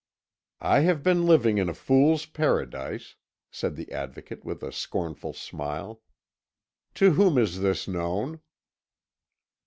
"I have been living in a fool's paradise," said the Advocate with a scornful smile. "To whom is this known?"